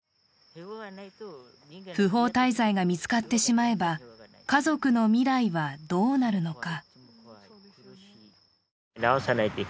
不法滞在が見つかってしまえば、家族の未来はどうなるのか。